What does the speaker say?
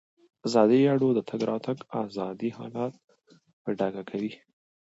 ازادي راډیو د د تګ راتګ ازادي حالت په ډاګه کړی.